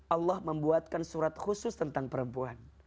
allah membuatkan surat khusus tentang perempuan